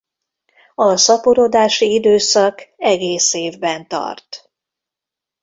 A szaporodási időszak egész évben tart.